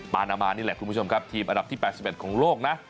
นานามานี่แหละคุณผู้ชมครับทีมอันดับที่๘๑ของโลกนะ